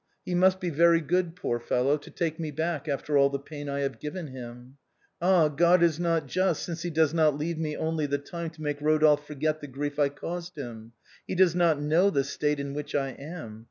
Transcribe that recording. He must be very good, poor fellow, to take me back after all the pain I have given him. Ah ! God is not just since he does not leave me only the time to make Eodolphe forget the grief I caused him. He does not know the state in which I am.